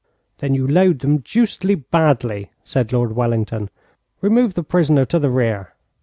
'Then you load them deucedly badly,' said Lord Wellington. 'Remove the prisoner to the rear.'